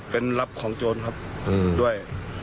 เป็นรับของโจรครับด้วย